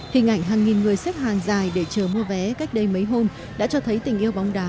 hình ảnh hàng nghìn người xếp hàng dài để chờ mua vé cách đây mấy hôm đã cho thấy tình yêu bóng đá